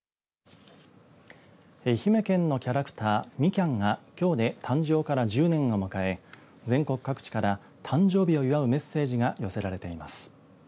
愛媛県のキャラクターみきゃんがきょうで誕生から１０年を迎え全国各地から誕生日を祝うメッセージが寄せられています。